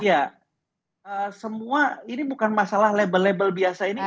ya semua ini bukan masalah label label biasa ini